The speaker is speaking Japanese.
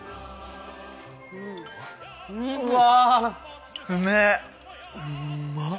うわ。